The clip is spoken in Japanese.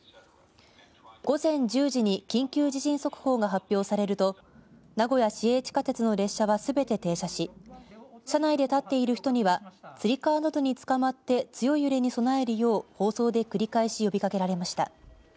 午前１０時に緊急地震速報が発表されると名古屋市営地下鉄の列車はすべて停車し車内で立っている人にはつり革などにつかまって強い揺れに備えるよう放送で繰り返し呼びかけられました。